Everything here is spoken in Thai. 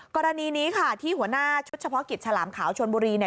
กรณีนี้ค่ะที่หัวหน้าชุดเฉพาะกิจฉลามขาวชนบุรี